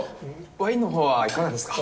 ワインの方はいかがですか。